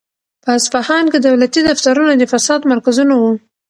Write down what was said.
په اصفهان کې دولتي دفترونه د فساد مرکزونه وو.